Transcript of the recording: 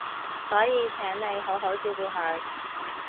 所以請你好好照顧佢